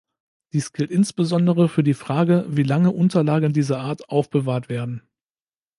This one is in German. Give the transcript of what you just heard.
Dies gilt insbesondere für die Frage, wie lange Unterlagen dieser Art aufbewahrt werden.